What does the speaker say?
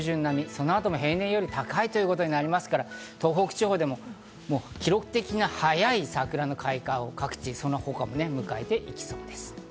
この後も平年より高くなりますから、東北地方でも記録的な早い桜の開花をその他も迎えていきそうです。